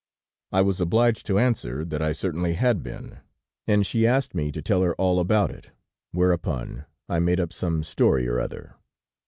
I was obliged to acknowledge that I certainly had been, and she asked me to tell her all about it, whereupon I made up some story or other.